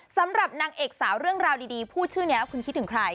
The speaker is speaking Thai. สำหรับนางเอกสาวเรื่องราวดีพูดชื่อนี้แล้วคุณคิดถึงใคร